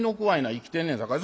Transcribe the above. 生きてんねんさかい」。